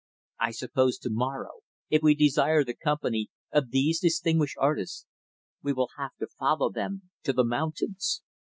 "I suppose to morrow if we desire the company of these distinguished artists we will have to follow them to the mountains.